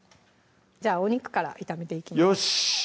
じゃお肉から炒めていきますよしっ！